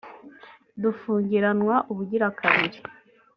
dufungiranwa ubugira kabiri